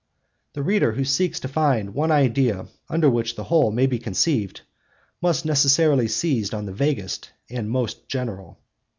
The reader who seeks to find some one idea under which the whole may be conceived, must necessarily seize on the vaguest and most general.